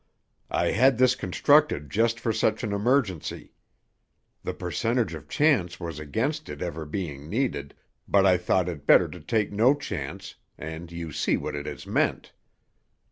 I had this constructed just for such an emergency. The percentage of chance was against it ever being needed, but I thought it better to take no chance, and you see what it has meant.